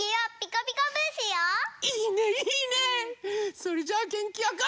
それじゃあげんきよく。